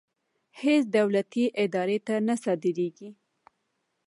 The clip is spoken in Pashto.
هېڅ دولتي ادارې ته نه صادرېږي.